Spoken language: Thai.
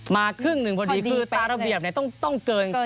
มาครึ่ง๑พอดีคือตราระเบียบต้องเกิน